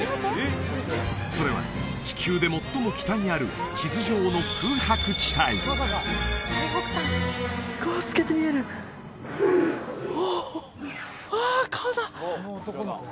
それは地球で最も北にある地図上の空白地帯うわあ